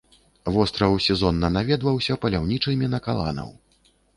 Востраў сезонна наведваўся паляўнічымі на каланаў.